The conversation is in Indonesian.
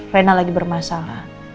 reina lagi bermasalah